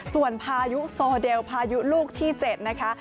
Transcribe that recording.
ส่วนพายุโซเดลพายุลูกที่๗นะคะ